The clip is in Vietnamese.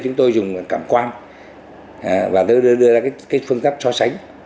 chúng tôi dùng cảm quan và đưa ra phương pháp so sánh